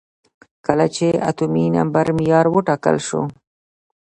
کله چې اتومي نمبر معیار وټاکل شو.